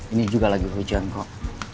ini juga lagi hujan kok